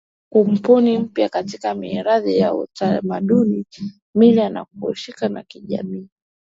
Pia kubuni mpya katika mirathi ya utamaduni mila na khulka za kijamii